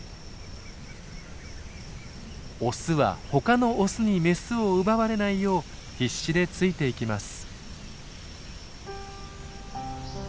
オスは他のオスにメスを奪われないよう必死でついていきます。